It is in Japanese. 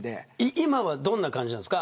今はどんな感じなんですか。